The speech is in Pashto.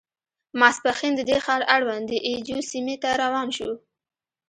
ماسپښین د دې ښار اړوند د اي جو سیمې ته روان شوو.